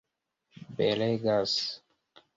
belegas